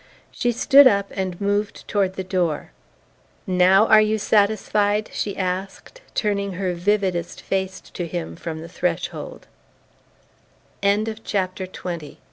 She stood up and moved toward the door. "NOW are you satisfied?" she asked, turning her vividest face to him from the thresh